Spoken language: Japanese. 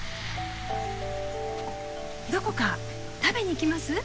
どこか食べに行きます？